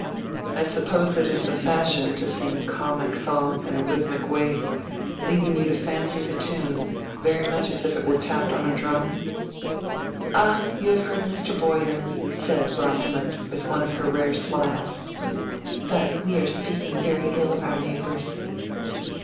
"I suppose it is the fashion to sing comic songs in a rhythmic way, leaving you to fancy the tune—very much as if it were tapped on a drum?" "Ah, you have heard Mr. Bowyer," said Rosamond, with one of her rare smiles. "But we are speaking very ill of our neighbors."